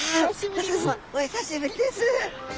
雅子様お久しぶりです。